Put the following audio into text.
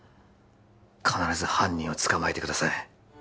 必ず犯人を捕まえてください